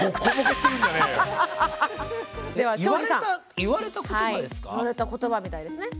言われた言葉みたいですね。